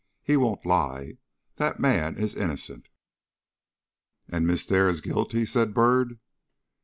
He won't lie. That man is innocent." "And Miss Dare is guilty?" said Byrd.